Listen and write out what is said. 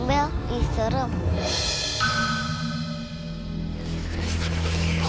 jenpr brewer yang pakai harga tongkat dia